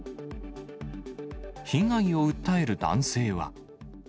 被害を訴える男性は。